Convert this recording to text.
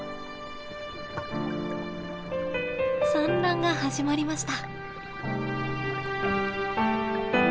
産卵が始まりました。